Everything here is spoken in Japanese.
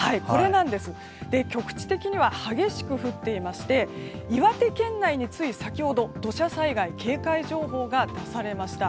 局地的には激しく降っていまして岩手県内につい先ほど土砂災害警戒情報が出されました。